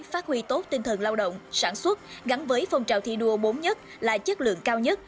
phát huy tốt tinh thần lao động sản xuất gắn với phong trào thi đua bốn nhất là chất lượng cao nhất